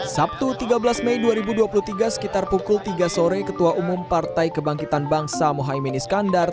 sabtu tiga belas mei dua ribu dua puluh tiga sekitar pukul tiga sore ketua umum partai kebangkitan bangsa mohaimin iskandar